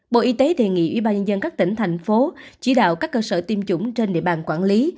bộ y tế đề nghị ubnd các tỉnh thành phố chỉ đạo các cơ sở tiêm chủng trên địa bàn quản lý